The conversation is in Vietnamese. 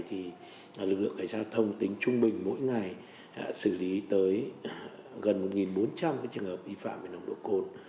thì lực lượng cảnh giao thông tính trung bình mỗi ngày xử lý tới gần một bốn trăm linh trường hợp vi phạm về nồng độ cồn